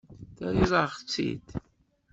Terriḍ-aɣ-tt-id.